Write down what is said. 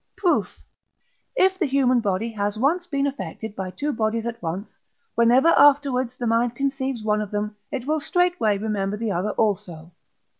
Proof. If the human body has once been affected by two bodies at once, whenever afterwards the mind conceives one of them, it will straightway remember the other also (II.